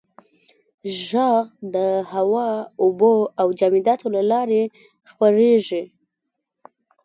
• ږغ د هوا، اوبو او جامداتو له لارې خپرېږي.